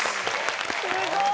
すごい。